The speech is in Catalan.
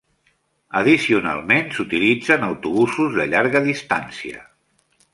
Addicionalment, s'utilitzen autobusos de llarga distància.